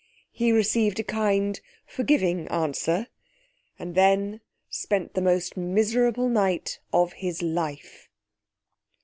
He received a kind, forgiving answer, and then spent the most miserable night of his life.